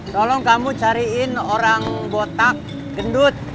tolong kamu cariin orang botak gendut